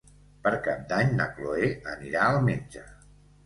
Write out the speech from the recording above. Per Cap d'Any na Chloé anirà al metge.